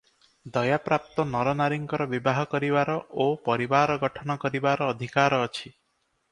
ଦୟା ପ୍ରାପ୍ତ ନରନାରୀଙ୍କର ବିବାହ କରିବାର ଓ ପରିବାର ଗଠନ କରିବାର ଅଧିକାର ଅଛି ।